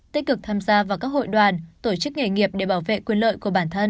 tích cực tham gia vào các hội đoàn tổ chức nghề nghiệp để bảo vệ quyền lợi của bản thân